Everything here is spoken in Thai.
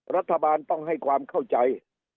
รัฐบาลต้องให้ความเข้าใจ